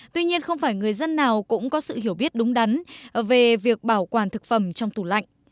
tuy nhiên không phải người dân nào cũng có sự hiểu biết đúng đắn về việc bảo quản thực phẩm trong tủ lạnh